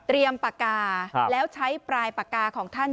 ปากกาแล้วใช้ปลายปากกาของท่าน